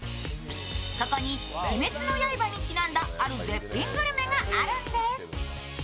ここに「鬼滅の刃」にちなんだある絶品グルメがあるんです。